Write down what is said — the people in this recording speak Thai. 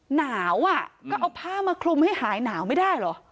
หนาวอ่ะก็เอาผ้ามาคลุมให้หายหนาวไม่ได้เหรอ